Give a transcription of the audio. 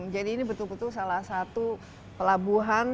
jadi ini betul betul salah satu pelabuhan